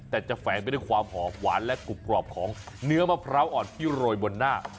แต่จะแฝงไปด้วยความหอมหวานและกรุบกรอบของเนื้อมะพร้าวอ่อนที่โรยบนหน้า